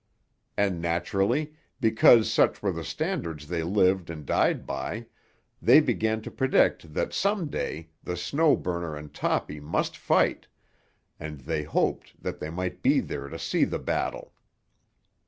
And, naturally, because such were the standards they lived and died by, they began to predict that some day the Snow Burner and Toppy must fight, and they hoped that they might be there to see the battle.